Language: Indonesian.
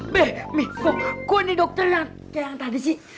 beh mih kok ini dokternya kayak yang tadi sih